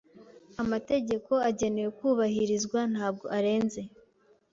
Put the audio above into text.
Amategeko agenewe kubahirizwa, ntabwo arenze.